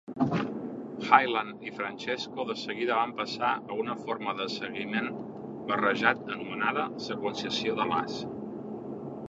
Hyland i Francesco de seguida van passar a una forma de seguiment barrejat anomenada "seqüenciació de l'as".